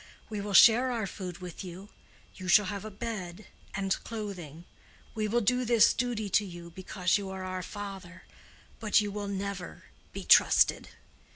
We will share our food with you—you shall have a bed, and clothing. We will do this duty to you, because you are our father. But you will never be trusted.